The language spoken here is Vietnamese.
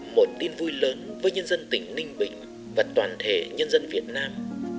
một tin vui lớn với nhân dân tỉnh ninh bình và toàn thể nhân dân việt nam